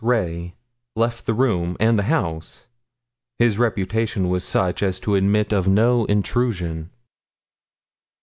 Ray left the room and the house. His reputation was such as to admit of no intrusion.